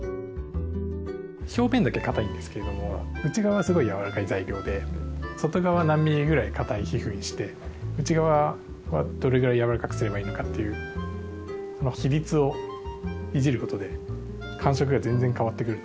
表面だけかたいんですけれども内側はすごい柔らかい材料で外側何ミリくらいかたい皮膚にして内側はどれくらい柔らかくすればいいのかっていう比率をいじることで感触が全然変わってくる。